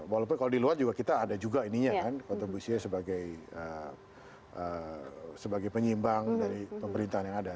walaupun kalau di luar juga kita ada juga ininya kan kontribusinya sebagai penyimbang dari pemerintahan yang ada